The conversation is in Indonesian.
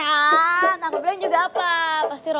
pasti roman mau diajak tonton sama ini